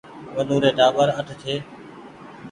ونو ري ٽآٻر اٺ ڇي